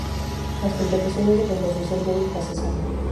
Las competiciones de composición públicas cesaron.